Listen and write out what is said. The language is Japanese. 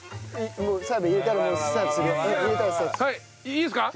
いいですか？